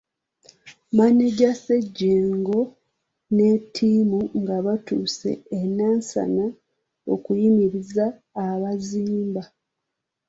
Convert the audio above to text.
Mmaneja Ssejjengo ne ttiimu nga batuuse e Nansana okuyimiriza abazimba.